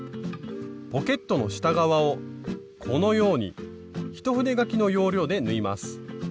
ポケットの下側をこのように一筆書きの要領で縫います。